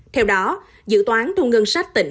theo đó dự toán thu ngân sách tỉnh